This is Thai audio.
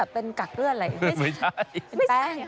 เป็นแป้ง